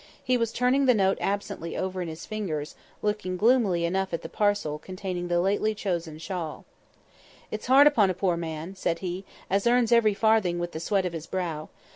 He was turning the note absently over in his fingers, looking gloomily enough at the parcel containing the lately chosen shawl. "It's hard upon a poor man," said he, "as earns every farthing with the sweat of his brow.